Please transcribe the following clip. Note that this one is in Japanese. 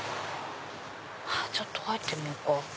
ちょっと入ってみようか。